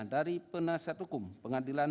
dari penasihat hukum pengadilan